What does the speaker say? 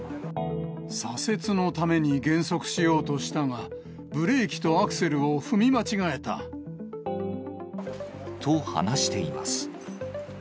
左折のために減速しようとしたが、ブレーキとアクセルを踏み間違えた。と話しています。